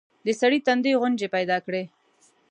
د سړي تندي ګونځې پيداکړې.